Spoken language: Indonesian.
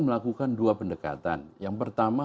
melakukan dua pendekatan yang pertama